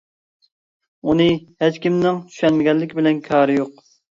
ئۇنى ھېچ كىمنىڭ چۈشەنمىگەنلىكى بىلەن كارى يوق.